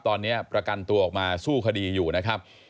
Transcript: ตอนนี้ประกันตัวออกมาสู้คดีอยู่นะครับ